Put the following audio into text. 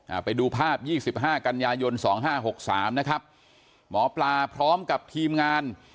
อ่าไปดูภาพยี่สิบห้ากันยายนสองห้าหกสามนะครับหมอปลาพร้อมกับทีมงาน